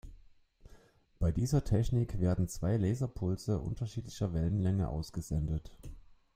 Bei dieser Technik werden zwei Laserpulse unterschiedlicher Wellenlänge ausgesendet.